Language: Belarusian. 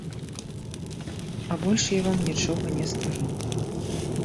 А больш я вам нічога не скажу.